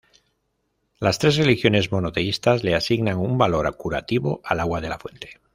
Las tres religiones monoteístas le asignan un valor curativo al agua de la fuente.